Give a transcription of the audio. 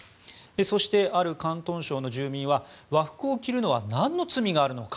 そして、ある広東省の住民は和服を着るのはなんの罪があるのか。